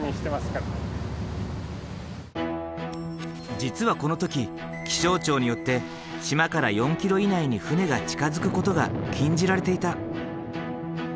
実はこの時気象庁によって島から４ｋｍ以内に船が近づくことが禁じられていた。